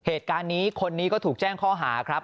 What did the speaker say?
เหตุการณ์นี้คนนี้ก็ถูกแจ้งข้อหาครับ